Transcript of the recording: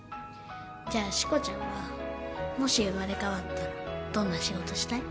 じゃあしこちゃんはもし生まれ変わったらどんな仕事したい？